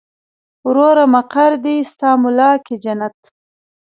وروره مقر دې ستا مولا کې جنت.